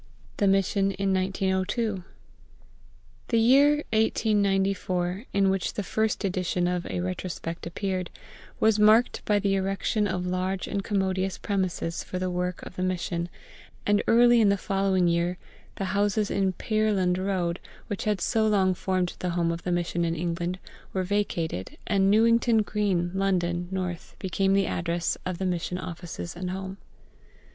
THE MISSION IN 1902 The year 1894, in which the first edition of A Retrospect appeared, was marked by the erection of large and commodious premises for the work of the Mission, and early in the following year the houses in Pyrland Road, which had so long formed the home of the Mission in England, were vacated, and NEWINGTON GREEN, LONDON, N., became the address of the Mission offices and home.